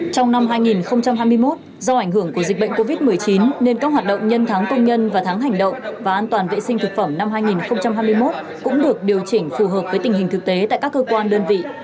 trong năm hai nghìn hai mươi một do ảnh hưởng của dịch bệnh covid một mươi chín nên các hoạt động nhân tháng công nhân và tháng hành động và an toàn vệ sinh thực phẩm năm hai nghìn hai mươi một cũng được điều chỉnh phù hợp với tình hình thực tế tại các cơ quan đơn vị